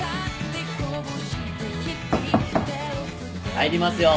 入りますよ。